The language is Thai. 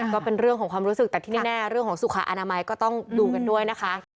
ก็เป็นเรื่องของความรู้สึกแต่ที่แน่เรื่องของสุขอนามัยก็ต้องดูกันด้วยนะคะ